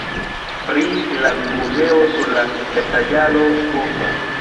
Pri la muzeo sur la retpaĝaro urba.